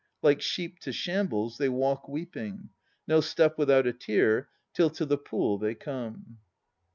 Like sheep to shambles They walk weeping, No step without a tear Fill to the Pool they come.